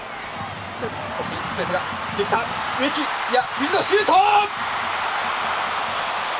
藤野シュート！